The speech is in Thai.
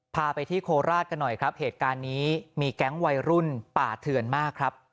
พาไปที่โคราชกันหน่อยครับเหตุการณ์นี้มีแก๊งวัยรุ่นป่าเถื่อนมากครับ